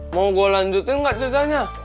mau gua lanjutin ga ceritanya